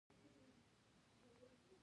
کروندګر د حاصل په راټولولو کې تجربه لري